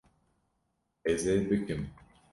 Ez ê bikim